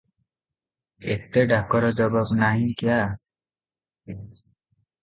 ଏତେ ଡାକର ଜବାବ ନାହିଁ କ୍ୟା?